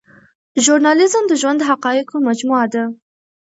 ژورنالیزم د ژوند د حقایقو مجموعه ده.